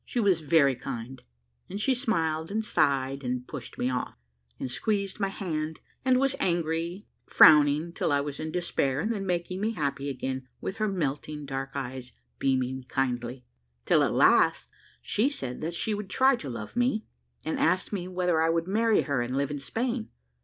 She was very kind, and she smiled, and sighed, and pushed me off, and squeezed my hand, and was angry frowning till I was in despair, and then making me happy again with her melting dark eyes beaming kindly, till at last she said that she would try to love me, and asked me whether I would marry her and live in Spain.